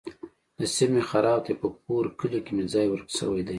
نصیب مې خراب دی. په کور کلي کې مې ځای ورک شوی دی.